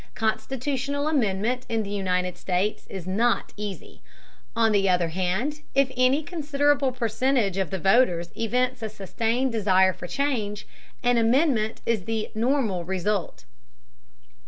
Constitutional amendment in the United States is not easy; on the other hand, if any considerable percentage of the voters evince a sustained desire for change, an amendment is the normal result.